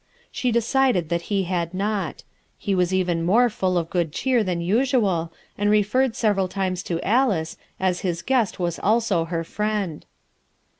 She decided that he had not; he was even more full of good cheer than usual, and referred several times to Alice, as his guest was also her friend.